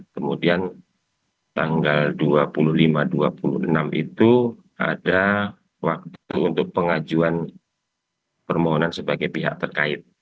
kemudian tanggal dua puluh lima dua puluh enam itu ada waktu untuk pengajuan permohonan sebagai pihak terkait